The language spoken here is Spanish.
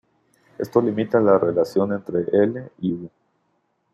Esto limita la relación entre "L" y "U".